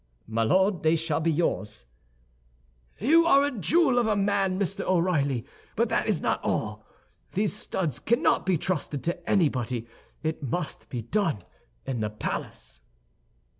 "My Lord, they shall be yours." "You are a jewel of a man, Mr. O'Reilly; but that is not all. These studs cannot be trusted to anybody; it must be done in the palace."